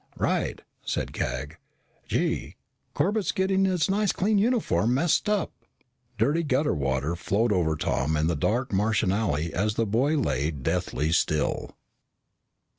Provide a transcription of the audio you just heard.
"Right," said Cag. "Gee, Corbett's getting his nice clean uniform messed up." Dirty gutter water flowed over Tom in the dark Martian alley as the boy lay deathly still.